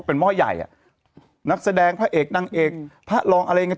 เป็นหม้อใหญ่อ่ะนักแสดงพระเอกนางเอกพระรองอะไรอย่างเ